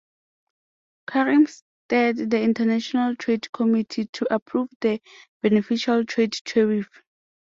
Karim steered the International Trade Committee to approve the beneficial trade tariff.